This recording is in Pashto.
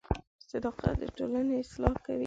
• صداقت د ټولنې اصلاح کوي.